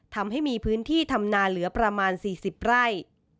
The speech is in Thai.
ทำให้มีพื้นที่ทำนาเหลือประมาณ๔๐ไร่